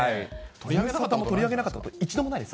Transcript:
ズムサタでも取り上げなかったこと一度もないです。